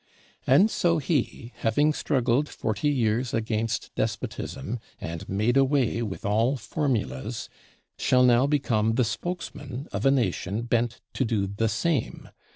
And so he, having struggled "forty years against despotism," and "made away with all formulas," shall now become the spokesman of a Nation bent to do the same.